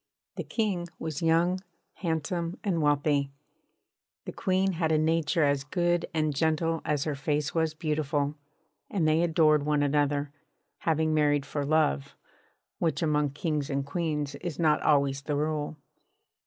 The King was young, handsome, and wealthy; the Queen had a nature as good and gentle as her face was beautiful; and they adored one another, having married for love which among kings and queens is not always the rule.